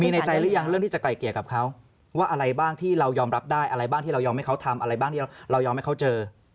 มีในใจหรือยังเรื่องที่จะไกลเกลียดกับเขาว่าอะไรบ้างที่เรายอมรับได้อะไรบ้างที่เรายอมให้เขาทำอะไรบ้างที่เรายอมให้เขาเจอ